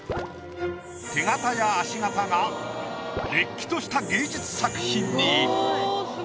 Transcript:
手形や足形がれっきとした芸術作品に。